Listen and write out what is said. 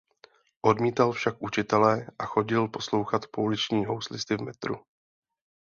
Odmítal však učitele a chodil poslouchat pouliční houslisty v metru.